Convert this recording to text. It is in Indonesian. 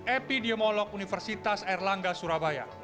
epidemiolog universitas erlangga surabaya